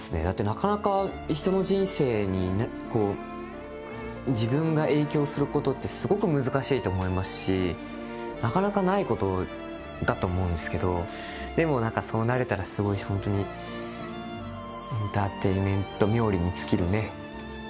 だってなかなか人の人生に自分が影響することってすごく難しいと思いますしなかなかないことだと思うんですけどでもそうなれたらすごいほんとにエンターテインメント冥利に尽きるね。